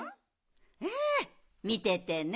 ええみててね。